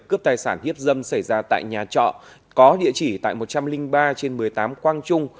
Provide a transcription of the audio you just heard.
cướp tài sản hiếp dâm xảy ra tại nhà trọ có địa chỉ tại một trăm linh ba trên một mươi tám quang trung